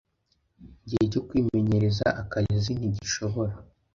igihe cyo kwimenyereza akazi ntigishobora